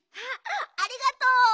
ありがとう！